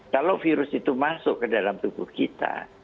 kalau virus itu masuk ke dalam tubuh kita